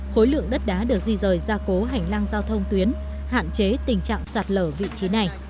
khối lượng đất đá được di rời ra cố hành lang giao thông tuyến hạn chế tình trạng sạt lở vị trí này